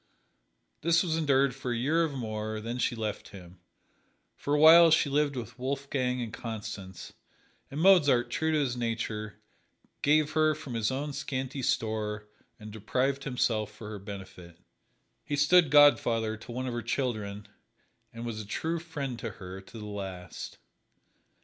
This was endured for a year or more, then she left him. For a while she lived with Wolfgang and Constance, and Mozart, true to his nature, gave her from his own scanty store and deprived himself for her benefit. He stood godfather to one of her children and was a true friend to her to the last.